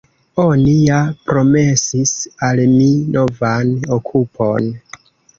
Oni ja promesis al mi novan okupon.